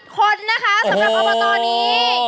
คนนะคะสำหรับอบตนี้